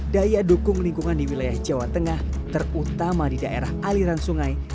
daya dukung lingkungan di wilayah jawa tengah terutama di daerah aliran sungai